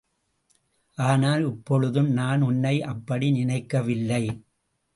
ஆனால், இப்பொழுதும் நான் உன்னை அப்படி நினைக்கவில்லை.